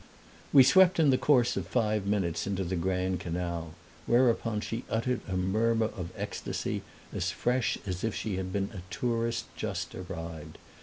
We swept in the course of five minutes into the Grand Canal; whereupon she uttered a murmur of ecstasy as fresh as if she had been a tourist just arrived.